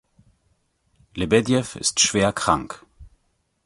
Lebedjew ist schwer krank.